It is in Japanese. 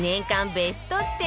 ベスト１０